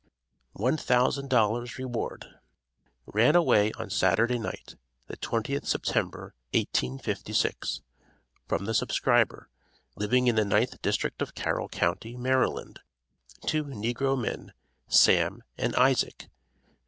ONE THOUSAND DOLLARS REWARD. Ran away on Saturday night, the 20th September, 1856, from the subscriber, living in the ninth district of Carroll county, Maryland, two Negro Men, SAM and ISAAC.